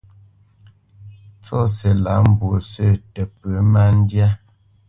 Tsɔ́si lâ mbwǒ sǝ̂ paʼ tǝ pǝ má ndyá.